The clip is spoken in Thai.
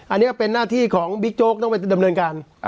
อันนี้ก็เป็นหน้าที่ของบิ๊กโจ๊กต้องไปดำเนินการ